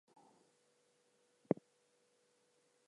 The priest watched the movement of the stars from the top of a mountain.